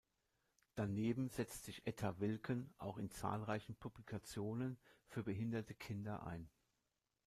Daneben setzt sich Etta Wilken auch in zahlreichen Publikationen für behinderte Kinder ein.